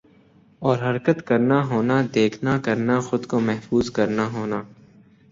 اور حرکت کرنا ہونا دیکھنا کرنا خود کو محظوظ کرنا ہونا